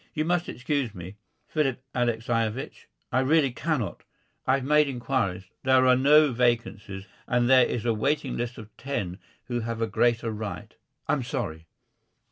"You must excuse me, Philip Alexeyevich, I really cannot. I've made inquiries. There are no vacancies, and there is a waiting list of ten who have a greater right I'm sorry."